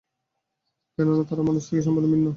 কেননা তারা মানুষ থেকে সম্পূর্ণ ভিন্ন।